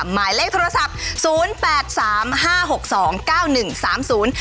หมายเลขโทรศัพท์ศูนย์แปดสามห้าหกสองเก้าหนึ่งสามศูนย์